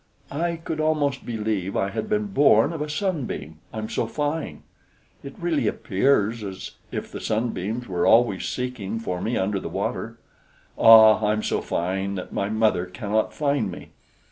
"I could almost believe I had been born of a sunbeam, I'm so fine! It really appears as if the sunbeams were always seeking for me under the water. Ah! I'm so fine that my mother cannot find me.